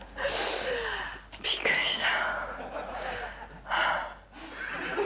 びっくりした。